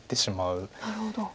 なるほど。